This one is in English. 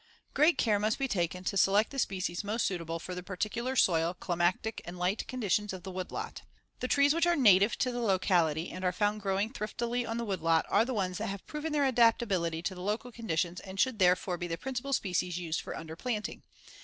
Great care must be taken to select the species most suitable for the particular soil, climatic and light conditions of the woodlot. The trees which are native to the locality and are found growing thriftily on the woodlot, are the ones that have proven their adaptability to the local conditions and should therefore be the principal species used for underplanting.